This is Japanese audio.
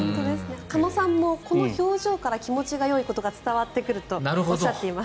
鹿野さんもこの表情から気持ちがよいことが伝わってくるとおっしゃっています。